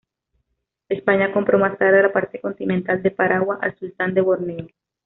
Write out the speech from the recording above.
España compró más tarde la parte continental de Paragua al sultán de Borneo.